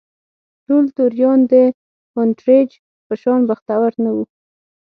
ټول توریان د هونټریج په شان بختور نه وو.